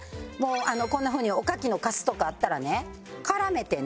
こんなふうにおかきのかすとかあったらね絡めてね